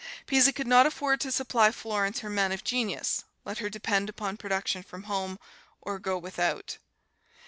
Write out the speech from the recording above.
Pisa could not afford to supply Florence her men of genius let her depend upon production from home, or go without.